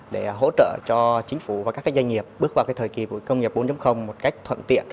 để hỗ trợ cho chính phủ và các doanh nghiệp bước vào thời kỳ của công nghiệp bốn một cách thuận tiện